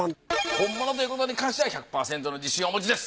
本物ということに関しては１００％の自信をお持ちです。